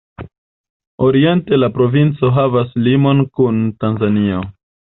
Oriente la provinco havas limon kun Tanzanio.